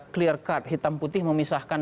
clear card hitam putih memisahkan